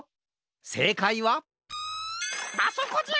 せいかいはあそこじゃ！